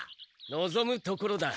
のぞむところだ。